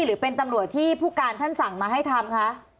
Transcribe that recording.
หรือเป็นตำรวจที่ผู้การท่านสั่งมาให้ทำคะ